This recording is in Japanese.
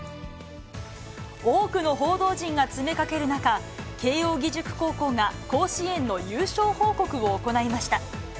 多くの報道陣が詰めかける中、慶応義塾高校が甲子園の優勝報告を行いました。